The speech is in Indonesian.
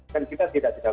kan kita tidak tidak